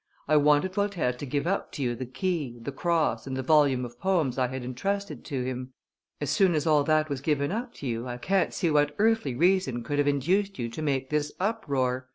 I wanted Voltaire to give up to you the key, the cross, and the volume of poems I had intrusted to him;, as soon as all that was given up to you I can't see what earthly reason could have induced you to make this uproar."